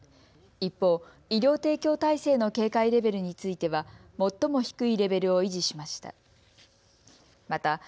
一方、医療提供体制の警戒レベルについては最も低いレベルを維持しました。